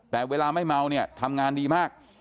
แต่เวลาไม่เมาเนี่ยทำงานดีมาก